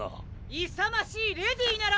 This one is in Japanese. ・いさましいレディーなら！